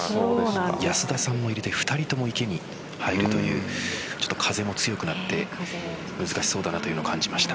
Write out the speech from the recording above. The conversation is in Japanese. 安田さんも入れて２人とも池に入るという風も強くなって難しそうだなと感じました。